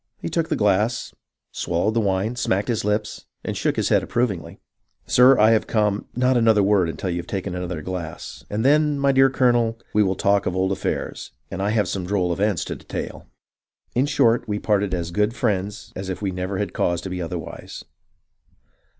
He took the glass, swal lowed the wine, smacked his lips, and shook his head approvingly. "* Sir, I come —'"' Not another word until you have taken another glass, and then, my dear Colonel, we will talk of old affairs, and I have some droll events to detail.' " In short, we parted as good friends as if we never had cause to be otherwise."